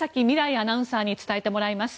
アナウンサーに伝えてもらいます。